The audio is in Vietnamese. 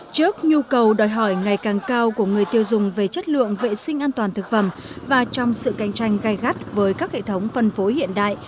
trước nhu cầu đòi hỏi ngày càng cao của người tiêu dùng về chất lượng vệ sinh an toàn thực phẩm và trong sự cạnh tranh gai gắt với các hệ thống phân phối hiện đại